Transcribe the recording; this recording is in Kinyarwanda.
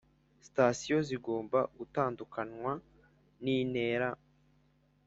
Sitasiyo zigomba gutandukanywa n intera